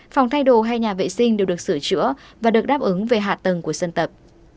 phòng thay đồ hai nhà vệ sinh đều được sửa chữa và được đáp ứng về hạ tầng của dân tập